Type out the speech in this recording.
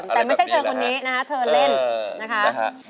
แต่ไม่ใช่เธอคนนี้นะคะเธอเล่นนะคะ